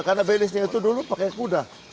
karena balisnya itu dulu pakai kuda